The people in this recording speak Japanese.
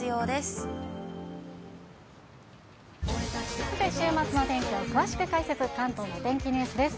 さて、週末のお天気を詳しく解説、関東のお天気ニュースです。